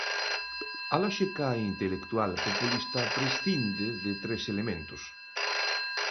A lóxica intelectual populista prescinde de tres elementos.